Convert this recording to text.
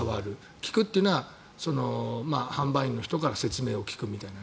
聞くというのは販売員の人から説明を聞くみたいな。